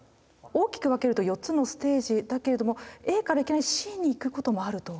大きく分けると４つのステージだけれどもＡからいきなりＣに行くこともあると。